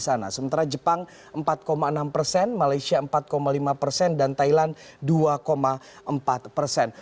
sementara jepang empat enam persen malaysia empat lima persen dan thailand dua empat persen